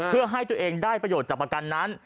เพื่อให้ตัวเองได้ประโยชน์จากประกันนั้น